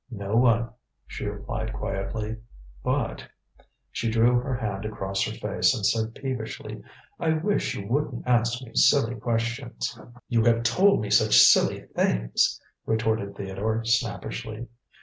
"No one," she replied quietly; "but" she drew her hand across her face and said peevishly, "I wish you wouldn't ask me silly questions." "You have told me such silly things," retorted Theodore snappishly.